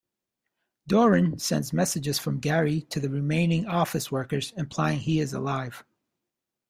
Dorine sends messages from Gary to the remaining office workers, implying he is alive.